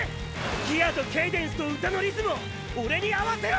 ギアとケイデンスと歌のリズムをオレに合わせろ！！